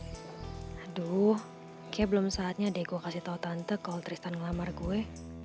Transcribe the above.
aduh kayak belum saatnya deh gue kasih tau tante kalau tristan ngelamar gue